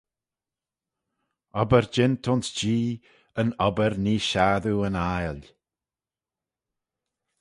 Obbyr jeant ayns Jee yn obbyr nee shassoo yn aile.